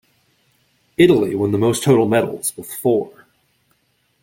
Italy won the most total medals, with four.